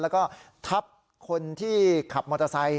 แล้วก็ทับคนที่ขับมอเตอร์ไซค